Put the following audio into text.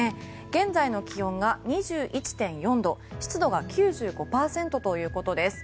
現在の気温が２１．４度湿度が９５％ということです。